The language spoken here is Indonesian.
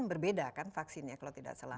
berbeda kan vaksinnya kalau tidak salah